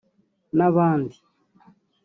n’abandi